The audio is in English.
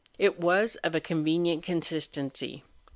It was of a convenient consistency.